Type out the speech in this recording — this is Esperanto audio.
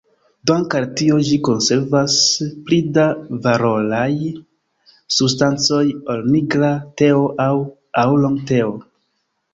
Dank' al tio ĝi konservas pli da valoraj substancoj ol nigra teo aŭ ŭulong-teo.